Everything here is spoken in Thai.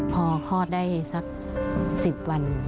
พอคลอดได้สัก๑๐วัน